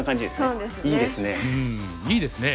うんいいですね。